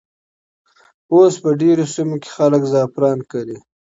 اوس په ډېرو سیمو کې خلک زعفران کري.